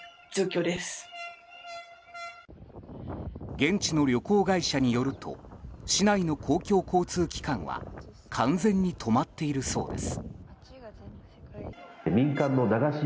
現地の旅行会社によると市内の公共交通機関は完全に止まっているそうです。